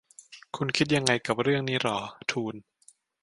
คุณคิดยังไงกับเรื่องนี้หรอ ? ทูน